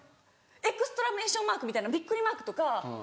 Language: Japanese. エクスクラメーションマークみたいなビックリマークとか。